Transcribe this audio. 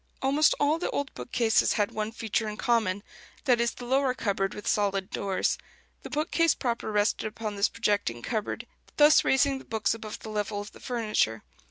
Almost all the old bookcases had one feature in common: that is, the lower cupboard with solid doors. The bookcase proper rested upon this projecting cupboard, thus raising the books above the level of the furniture.